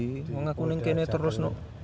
ini nanti aku nengkehnya terus